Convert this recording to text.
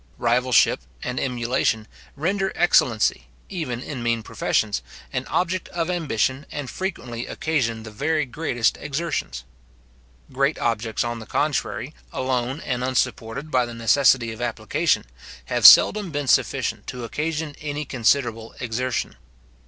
Rivalship and emulation render excellency, even in mean professions, an object of ambition, and frequently occasion the very greatest exertions. Great objects, on the contrary, alone and unsupported by the necessity of application, have seldom been sufficient to occasion any considerable exertion.